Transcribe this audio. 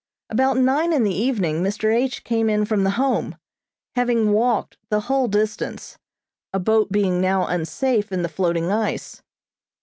About nine in the evening Mr. H. came in from the Home, having walked the whole distance, a boat being now unsafe in the floating ice.